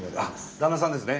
旦那さんですね。